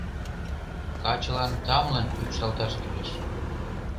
Качылан тамлын ӱпшалташ кӱлеш.